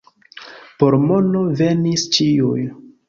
Por mono venis ĉiuj.